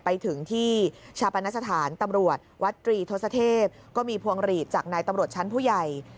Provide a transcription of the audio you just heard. ไปถึงที่ชาปนสถานตำรวจวัดตรีทศเทพก็มีพวงหลีดจากนายตำรวจชั้นผู้ใหญ่